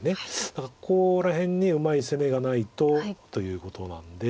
だからここら辺にうまい攻めがないとということなんで。